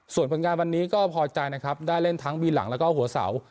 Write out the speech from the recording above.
ส่วนผลงานวันนี้ก็พอใจนะครับได้เล่นทั้งบีหลังแล้วก็หัวเสา